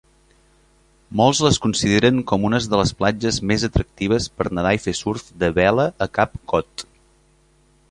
Molts les consideren com unes de les platges més atractives per nedar i fer surf de vela a Cap Cod.